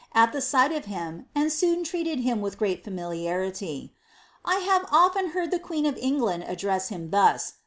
at the si^ht of him, and soon treated bim with great fainiliarity. " I fasre ufiea heard the queen of England address him thus."